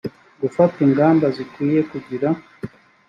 gufata ingamba zikwiye kugira